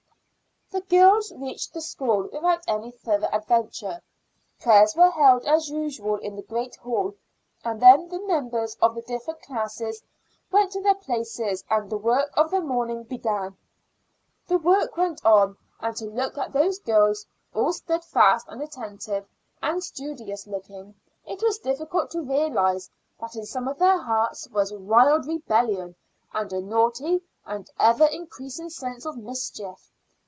The girls reached the school without any further adventure. Prayers were held as usual in the great hall, and then the members of the different classes went to their places and the work of the morning began. The work went on, and to look at those girls, all steadfast and attentive and studious looking, it was difficult to realize that in some of their hearts was wild rebellion and a naughty and ever increasing sense of mischief.